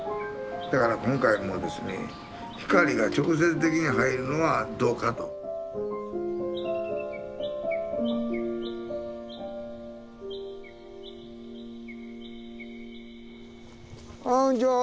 だから今回もですね光が直接的に入るのはどうかと。こんにちは。